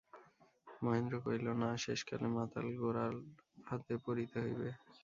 মহেন্দ্র কহিল, না, শেষকালে মাতাল গোরার হাতে পড়িতে হইবে?